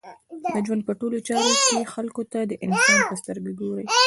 د ژوند په ټولو چارو کښي خلکو ته د انسان په سترګه ګورئ!